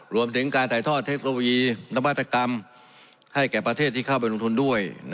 รวมถึงการถ่ายทอดเทคโนโลยีนวัตกรรมให้แก่ประเทศที่เข้าไปลงทุนด้วย